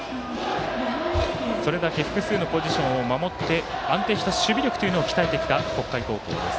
それだけ複数のポジションを守って安定した守備力というのを鍛えてきた北海高校です。